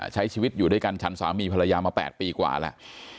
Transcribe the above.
ใช้ชีวิตอยู่ด้วยกันฉันสามีภรรยามา๘ปีกว่าแล้ว